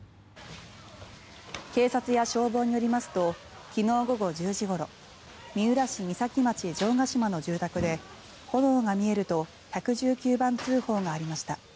警察や消防によりますと昨日午後１０時ごろ三浦市三崎町城ケ島の住宅で炎が見えると１１９番通報がありました。